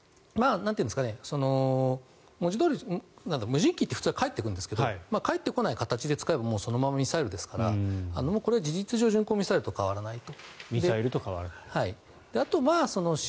文字どおり、無人機って普通は返ってくるんですが返ってこない形で使えばそのままミサイルですからこれは事実上巡航ミサイルと変わらないと。